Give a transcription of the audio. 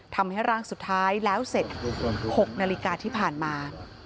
ทำให้ร่างสุดท้ายแล้วเสร็จ๖นาฬิกาที่ผ่านมา